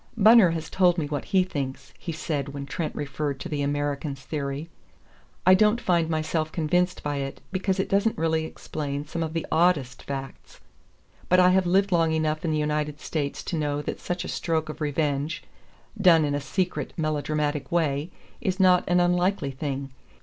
"Bunner has told me what he thinks," he said when Trent referred to the American's theory. "I don't find myself convinced by it, because it doesn't really explain some of the oddest facts. But I have lived long enough in the United States to know that such a stroke of revenge, done in a secret, melodramatic way, is not an unlikely thing.